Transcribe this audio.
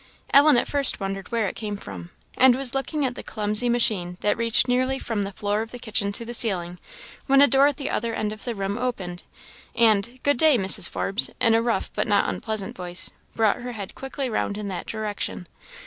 Ellen at first wondered where it came from, and was looking at the clumsy machine, that reached nearly from the floor of the kitchen to the ceiling, when a door at the other end of the room opened, and "Good day, Mrs. Forbes," in a rough but not unpleasant voice, brought her head quickly round in that direction.